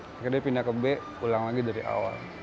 akhirnya dia pindah ke b ulang lagi dari awal